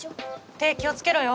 手気をつけろよ。